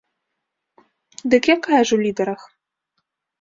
Дык якая ж у лідарах?